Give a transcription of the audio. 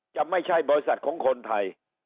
จะไม่ใช่บริษัทของคนไทย